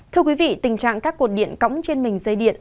thưa quý vị tình trạng các cột điện cõng trên mình dây điện